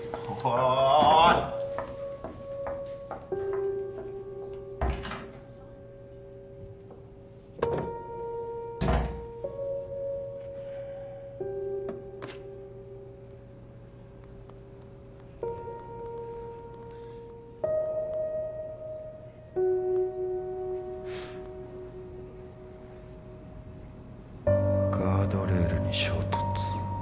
「ガードレールに衝突」